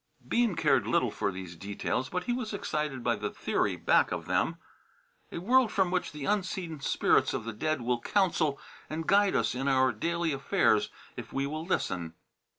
Bean cared little for these details, but he was excited by the theory back of them; a world from which the unseen spirits of the dead will counsel and guide us in our daily affairs if we will listen.